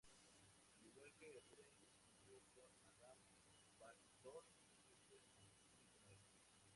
Al igual que Rubens estudió con Adam van Noort, quien fue su único maestro.